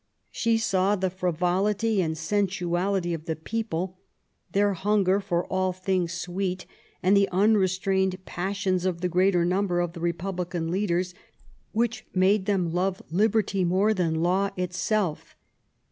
She saw the frivolity and sensuality of the people^ their hunger for all things sweet, and the un restrained passions of the greater number of the Re publican leaders, which made them love liberty more than law itself.